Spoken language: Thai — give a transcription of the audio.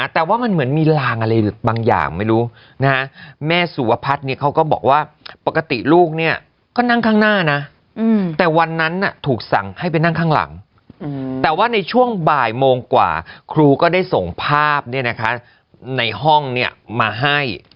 แต่ว่ามันเหมือนมีลางอะไรบางอย่างไม่รู้นะฮะแม่สุวพัฒน์เนี่ยเขาก็บอกว่าปกติลูกเนี่ยก็นั่งข้างหน้านะแต่วันนั้นถูกสั่งให้ไปนั่งข้างหลังแต่ว่าในช่วงบ่ายโมงกว่าครูก็ได้ส่งภาพในห้องเนี่ยมาให้